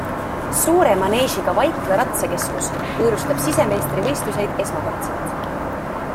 Suure maneežiga Vaikla ratsakeskus võõrustab sisemeistrivõistluseid esmakordselt.